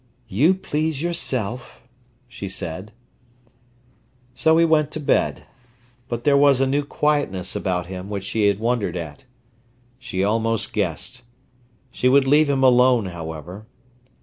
"You please yourself," she said. So he went to bed. But there was a new quietness about him which she had wondered at. She almost guessed. She would leave him alone, however.